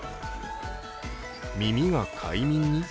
耳が快眠に？